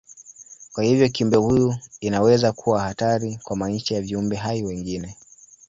Kwa hivyo kiumbe huyu inaweza kuwa hatari kwa maisha ya viumbe hai wengine.